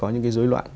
những cái rối loạn